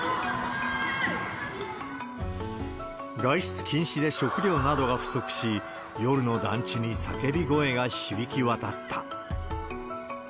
外出禁止で食料などが不足し、夜の団地に叫び声が響き渡った。